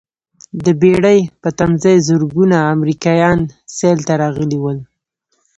د بېړۍ په تمځاې زرګونه امریکایان سیل ته راغلي ول.